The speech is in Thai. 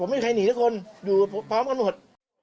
ไม่ได้ใครหนีทั้งคนดูพร้อมกันหมด